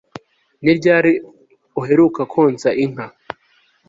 Ni ryari uheruka konsa inka